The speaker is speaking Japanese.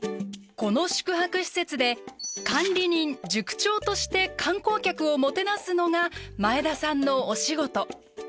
この宿泊施設で管理人「塾長」として観光客をもてなすのが前田さんのお仕事。